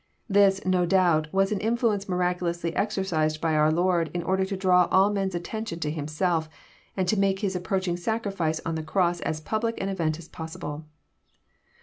This, no doubt, was an influence miraculously exercised by our Lord in order to draw all men's attention to Illmsclf, and to make His approaching Sacrifice on the cross as public an event as possible.